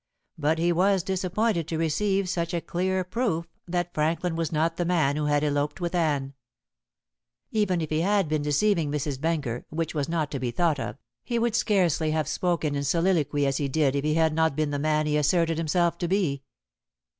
But he was disappointed to receive such a clear proof that Franklin was not the man who had eloped with Anne. Even if he had been deceiving Mrs. Benker (which was not to be thought of), he would scarcely have spoken in soliloquy as he did if he had not been the man he asserted himself to be.